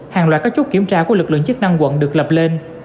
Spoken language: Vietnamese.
hàng loạt các chốt kiểm tra của lực lượng chức năng quận được lập lên